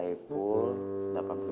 sekarang masuk ya